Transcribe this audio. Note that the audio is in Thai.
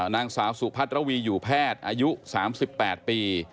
นางสาวสุพัทรวีอยู่แพทย์อายุ๓๘ปี